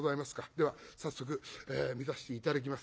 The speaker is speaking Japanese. では早速見させて頂きます。